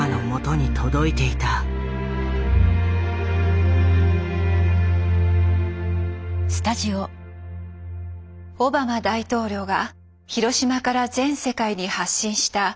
オバマ大統領が広島から全世界に発信した１７分間のスピーチ。